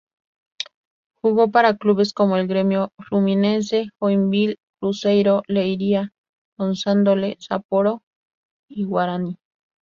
Jugó para clubes como el Grêmio, Fluminense, Joinville, Cruzeiro, Leiria, Consadole Sapporo y Guarani.